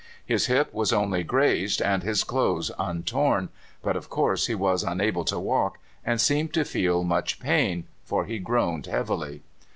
His hip was only grazed and his clothes untorn; but, of course, he was unable to walk, and seemed to feel much pain, for he groaned heavily.